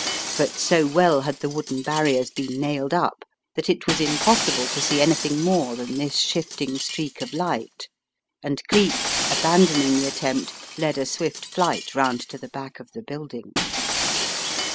But so well had the wooden barriers been nailed up, that it was im possible to see anything more than this shifting streak of light, and Cleek, abandoning the attempt, led a swift flight round to the back of the building.